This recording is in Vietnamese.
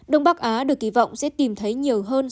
đông bắc á được kỳ vọng sẽ tìm thấy nhiều hơn